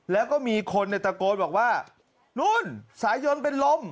แล้วก็มีคนตะโกนบอกว่านู่นสายนเป็นลม